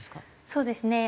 そうですね。